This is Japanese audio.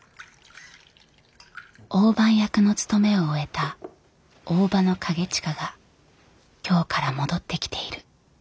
大番役の務めを終えた大庭景親が京から戻ってきている。